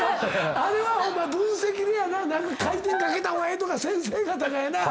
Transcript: あれは分析でやな何か回転かけた方がええとか先生方がやな